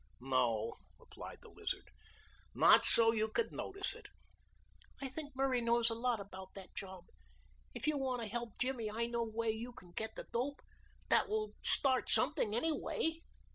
"No," replied the Lizard; "not so you could notice it." "I think Murray knows a lot about that job. If you want to help Jimmy I know where you can get the dope that will start something, anyway."